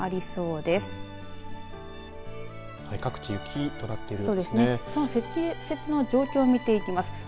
その積雪の状況、見ていきます。